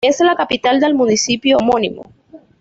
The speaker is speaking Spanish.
Es la capital del municipio homónimo.